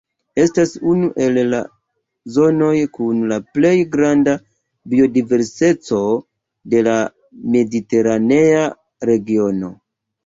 Estas unu el la zonoj kun la plej granda biodiverseco de la mediteranea regiono.